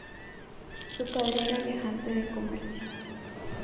Su padre era viajante de comercio.